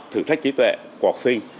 thử thách trí tuệ của học sinh